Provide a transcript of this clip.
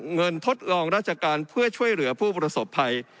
ทดลองราชการเพื่อช่วยเหลือผู้ประสบภัย